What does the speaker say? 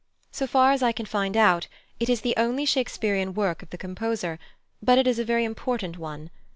So far as I can find out, it is the only Shakespearian work of the composer, but it is a very important one.